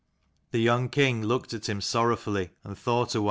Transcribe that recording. The young king looked at him sorrowfully, and thought awhile.